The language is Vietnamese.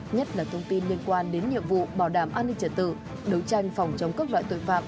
nhất là thông tin liên quan đến nhiệm vụ bảo đảm an ninh trật tự đấu tranh phòng chống các loại tội phạm